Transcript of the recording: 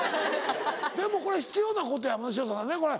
でもこれ必要なことやもんね潮田さんねこれ。